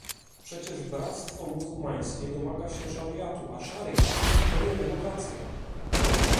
Przecież Bractwo Muzułmańskie domaga się szariatu, a szariat to nie demokracja